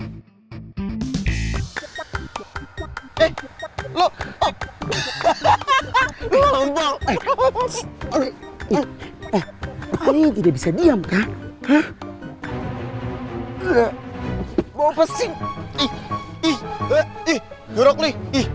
eh tidak ada di dalam bank lots pakini gede bisa diam tahu hanya mau bhasing ih ih hooroy